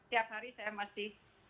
tiap hari saya masih